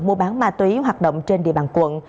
mua bán ma túy hoạt động trên địa bàn quận